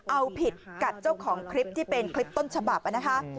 เอาผิดกับเจ้าของคลิปที่เป็นคลิปต้นฉบับนะคะ